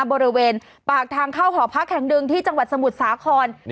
บริเวณปากทางเข้าหอพักแห่งหนึ่งที่จังหวัดสมุทรสาคร